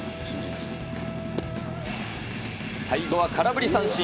最後は空振り三振。